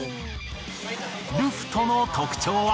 ルフトの特徴は。